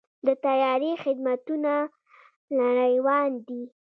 د طیارې خدمتونه نړیوال دي.